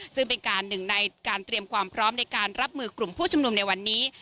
ซึ่งเป็นการหนึ่งในการเตรียมความพร้อมในการรับมือกลุ่มผู้ชุมนุมในวันนี้